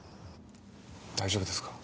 大丈夫ですか？